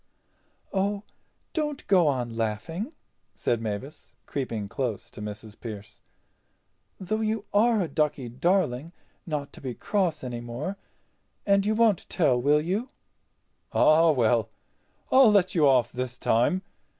"Oh, don't go on laughing," said Mavis, creeping close to Mrs. Pearce, "though you are a ducky darling not to be cross any more. And you won't tell, will you?" "Ah, well—I'll let you off this time.